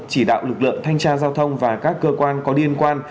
chỉ đạo lực lượng thanh tra giao thông và các cơ quan có liên quan